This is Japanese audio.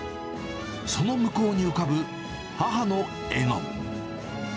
その向こうに浮かぶ母の笑顔。